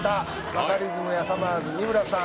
バカリズムやさまぁず・三村さん